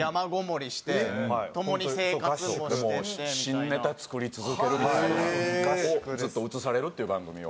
新ネタ作り続けるみたいなのをずっと映されるっていう番組を。